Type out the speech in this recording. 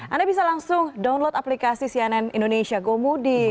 anda bisa langsung download aplikasi cnn indonesia gomudik